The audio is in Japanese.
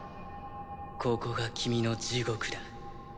ここが君の地獄だ。